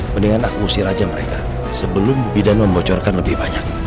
mendingan aku usir aja mereka sebelum bu bidan membocorkan lebih banyak